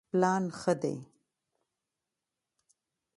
پلان ښه دی.